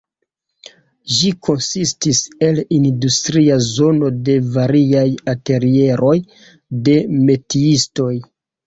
Ĝi konsistis el industria zono de variaj atelieroj de metiistoj.